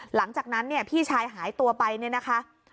หลังจากนั้นเนี่ยพี่ชายหายตัวไปเนี่ยนะคะ